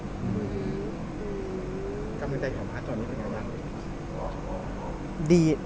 คำมือนใจของพ่อตอนนี้เป็นอย่างไรหรือ